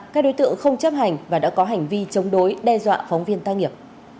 các đối tượng không chấp hành và đã có hành vi chống đối đe dọa phóng viên tác nghiệp